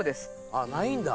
あっないんだ。